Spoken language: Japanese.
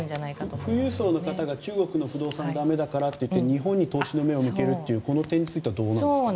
富裕層の方が中国の不動産駄目だからといって日本に投資の目を向けるこの点に関してはいかがですか？